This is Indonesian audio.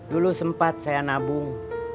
dulu sempat saya nabung